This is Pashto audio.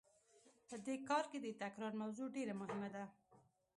په دې کار کې د تکرار موضوع ډېره مهمه ده.